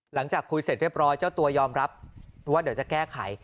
หลังจากคุยเสร็จเรียบร้อยเจ้าตัวยอมรับว่าเดี๋ยวจะแก้ไข